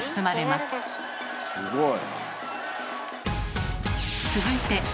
すごい。